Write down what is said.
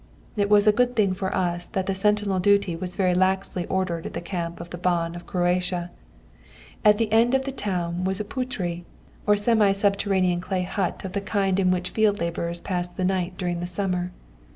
"It was a good thing for us that sentinel duty was very laxly ordered in the camp of the Ban of Croatia. At the end of the town was a putri, or semi subterranean clay hut of the kind in which field labourers pass the night during the summer.